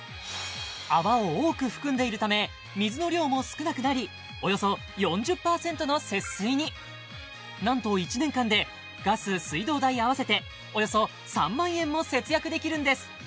泡を多く含んでいるため水の量も少なくなりおよそ４０％の節水に何と１年間でガス・水道代合わせておよそ３万円も節約できるんです